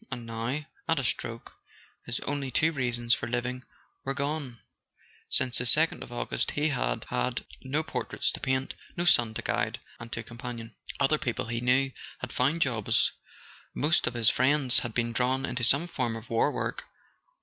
And now, at a stroke, his only two reasons for living were gone: since the second of August he had had no portraits to paint, no son to guide and to com¬ panion. Other people, he knew, had found jobs: most of his friends had been drawn into some form of war work.